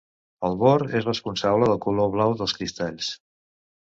El bor és responsable del color blau dels cristalls.